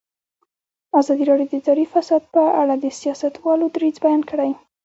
ازادي راډیو د اداري فساد په اړه د سیاستوالو دریځ بیان کړی.